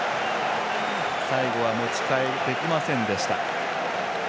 最後は持ち替えができませんでした。